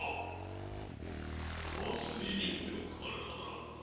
川筋にも目を配らねばならんな。